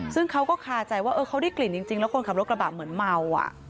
ซึ่งเขาก็คาใจว่าเขาได้กลิ่นจริงแล้วคนขับรถกระบะเหมือนเมา